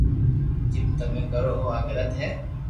جيم تموو ڪرو ھون آ غلط ي